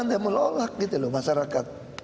tolak gitu loh masyarakat